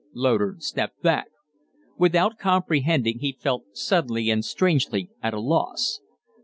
Loder stepped back. Without comprehending, he felt suddenly and strangely at a loss.